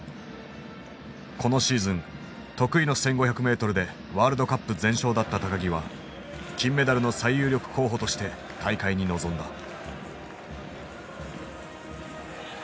このシーズン得意の１，５００ｍでワールドカップ全勝だった木は金メダルの最有力候補として大会に臨んだ。